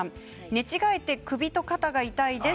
寝違えて首と肩が痛いです。